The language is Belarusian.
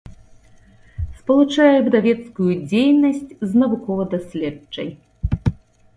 Спалучае выдавецкую дзейнасць з навукова-даследчай.